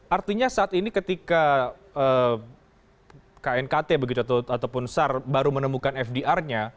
artinya saat ini ketika knkt begitu ataupun sar baru menemukan fdr nya